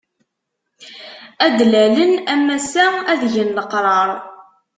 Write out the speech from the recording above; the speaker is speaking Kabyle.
Ad d-lalen am ass-a, ad egen leqṛaṛ.